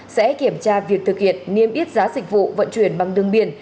sẽ kiểm tra việc thực hiện niêm yết giá dịch vụ vận chuyển bằng đường biển